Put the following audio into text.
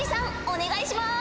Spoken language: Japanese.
お願いします。